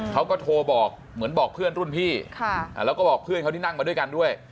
เขาก็โทรบอกเหมือนบอกเพื่อนรุ่นพี่แล้วก็บอกเพื่อนเขาที่นั่งมาด้วยกันด้วย